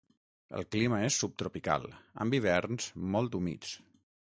El clima és subtropical, amb hiverns molt humits.